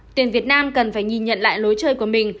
tuyển việt nam cần phải nhìn nhận lại lối chơi của mình